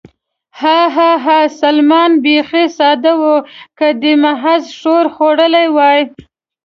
ها، ها، ها، سلمان بېخي ساده و، که دې محض ښور خوړلی وای.